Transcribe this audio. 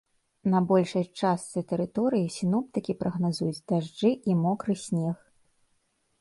На большай частцы тэрыторыі сіноптыкі прагназуюць дажджы і мокры снег.